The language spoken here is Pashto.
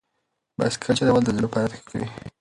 بایسکل چلول د زړه فعالیت ښه کوي.